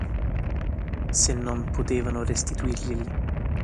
Se non potevano restituirglieli.